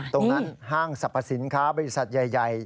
กระทั่งห้างสรรพสินค้าบริษัทใหญ่